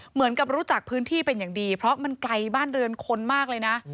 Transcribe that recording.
เหมือนกับรู้จักพื้นที่เป็นอย่างดีเพราะมันไกลบ้านเรือนคนมากเลยนะ